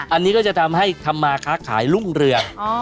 อันนี้ก็จะทำให้ทำมาค้าขายรุ่งเรือง